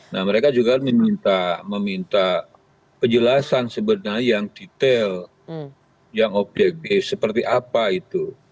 nah mereka juga meminta penjelasan sebenarnya yang detail yang objektif seperti apa itu